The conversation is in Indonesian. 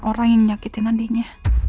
orang yang nyakitin adiknya